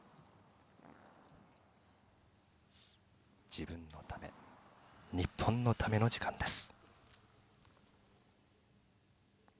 自分のため日本のための時間です。